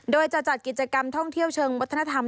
โดยจะจัดกิจกรรมท่องเที่ยวเชิงวัฒนธรรม